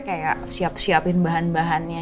kayak siap siapin bahan bahannya